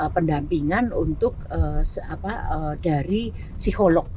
pendampingan untuk dari psikolog